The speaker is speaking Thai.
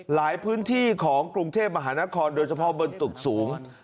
หลายพื้นที่ของกรุงเทพมหานครโดยเฉพาะบนตึกสูง